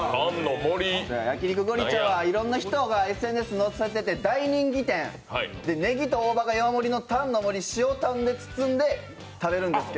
焼肉ごりちゃんはいろんな人がＳＮＳ載せてて大人気店ねぎと大葉が山盛りになったタンの森を塩タンで包んで食べるんですが。